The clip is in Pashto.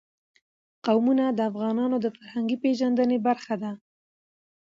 قومونه د افغانانو د فرهنګي پیژندنې برخه ده.